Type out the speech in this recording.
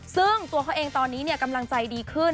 ซึ่งตัวเขาเองตอนนี้กำลังใจดีขึ้น